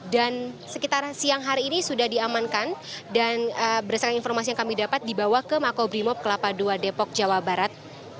dan sekitar siang hari ini sudah diamankan dan berdasarkan informasi yang kami dapat dibawa ke makobrimob kelapa ii depok jawa barat